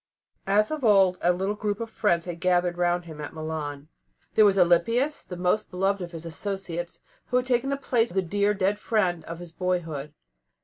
As of old, a little group of friends had gathered round him at Milan. There was Alypius, the most beloved of all his associates, who had taken the place of the dear dead friend of his boyhood.